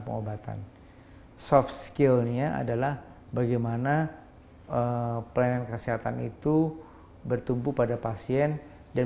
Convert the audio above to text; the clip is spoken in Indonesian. pengobatan soft skillnya adalah bagaimana pelayanan kesehatan itu bertumpu pada pasien dan